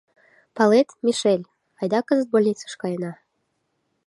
Палет, Мишель, айда кызыт больницыш каена.